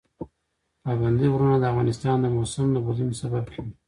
پابندی غرونه د افغانستان د موسم د بدلون سبب کېږي.